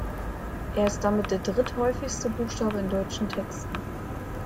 Er ist damit der dritthäufigste Buchstabe in deutschen Texten.